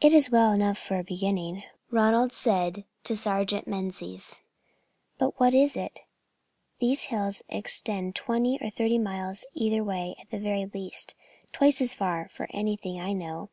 "It is well enough for a beginning," Ronald said to Sergeant Menzies; "but what is it? These hills extend twenty or thirty miles either way, at the very least twice as far, for anything I know.